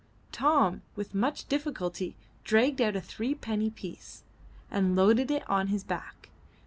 Tom, with much difficulty, dragged out a three penny piece, and loaded it on his back.